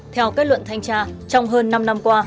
theo kết luận thanh tra trong hơn năm năm qua